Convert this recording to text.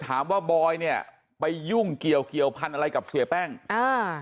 บอยเนี้ยไปยุ่งเกี่ยวเกี่ยวพันธุ์อะไรกับเสียแป้งอ่า